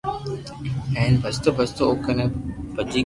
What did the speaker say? ھين ڀجتو ڀجتو او ڪني پوچو گيو